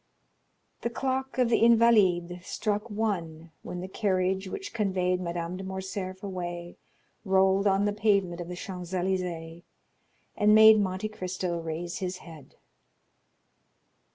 The clock of the Invalides struck one when the carriage which conveyed Madame de Morcerf rolled away on the pavement of the Champs Élysées, and made Monte Cristo raise his head.